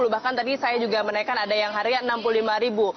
bahkan tadi saya juga menaikkan ada yang harga rp enam puluh lima ribu